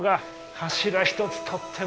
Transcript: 柱一つとっても。